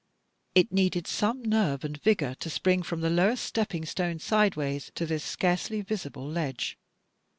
It needed some nerve and vigour to spring from the lowest stepping stone sideways to this scarcely visible ledge.